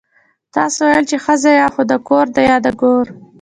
تاسو ويل چې ښځه يا خو د کور ده يا د ګور.